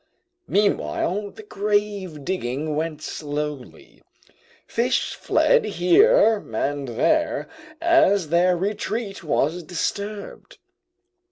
Meanwhile the grave digging went slowly. Fish fled here and there as their retreat was disturbed.